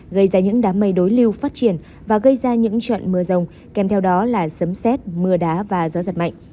gây ra những đám mây đối lưu phát triển và gây ra những trận mưa rông kèm theo đó là sấm xét mưa đá và gió giật mạnh